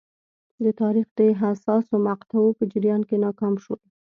د تاریخ د حساسو مقطعو په جریان کې ناکام شول.